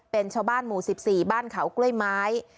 เป็นชาวบ้านหมู่๑๔บ้านเขากล้วยไม้